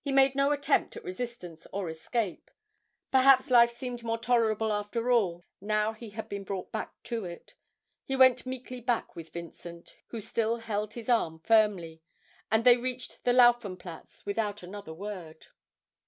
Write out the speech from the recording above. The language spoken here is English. He made no attempt at resistance or escape perhaps life seemed more tolerable after all now he had been brought back to it; he went meekly back with Vincent, who still held his arm firmly, and they reached the Laufenplatz without another word.